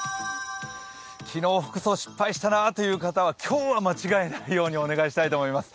昨日、服装失敗したなという方は今日は間違えないようにお願いしたいと思います。